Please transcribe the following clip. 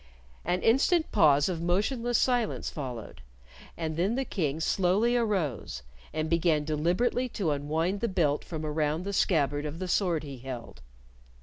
An instant pause of motionless silence followed, and then the King slowly arose, and began deliberately to unwind the belt from around the scabbard of the sword he held.